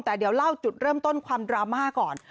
แต่เดี๋ยวเล่าจุดเริ่มต้นความดราม่าก่อน